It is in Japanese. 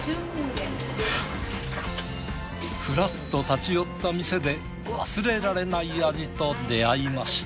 フラッと立ち寄った店で忘れられない味と出会いました。